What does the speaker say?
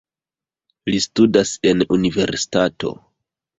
Li studas en universitato.